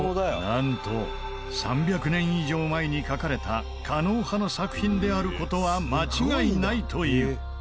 なんと３００年以上前に描かれた狩野派の作品である事は間違いないという。